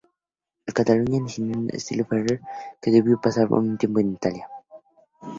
En Cataluña inició el estilo Ferrer Bassa, que debió pasar un tiempo en Italia.